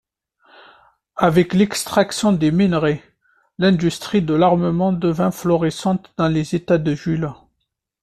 Avec l'extraction des minerais, l'industrie de l'armement devint florissante dans les états de Jules.